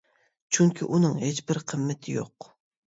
چۈنكى ئۇنىڭ ھېچ بىر قىممىتى يوق.